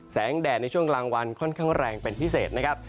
แดดในช่วงกลางวันค่อนข้างแรงเป็นพิเศษนะครับ